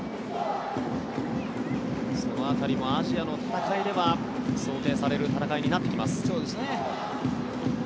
その辺りもアジアの戦いでは想定される戦いになってきます。